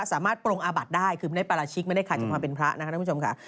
ปรงอาบัติได้คือไม่ได้ปราชิกไม่ได้ขาดจากความเป็นพระนะครับท่านผู้ชมค่ะ